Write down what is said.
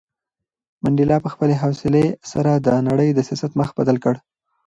منډېلا په خپلې حوصلې سره د نړۍ د سیاست مخ بدل کړ.